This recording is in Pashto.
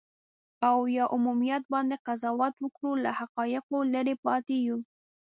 او یا عمومیت باندې قضاوت وکړو، له حقایقو لرې پاتې یو.